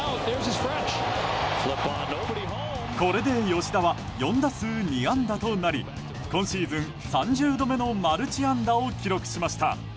これで吉田は４打数２安打となり今シーズン３０度目のマルチ安打を記録しました。